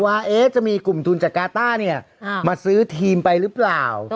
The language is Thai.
ว่าจะมีกลุ่มทุนจากกาต้าเนี่ยมาซื้อทีมไปหรือเปล่า